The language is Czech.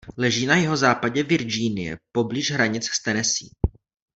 Leží na jihozápadě Virginie poblíž hranic s Tennessee.